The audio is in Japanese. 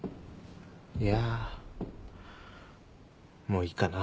いやもういいかな。